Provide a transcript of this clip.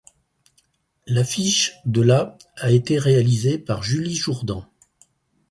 L’affiche de la a été réalisée par Julie Jourdan.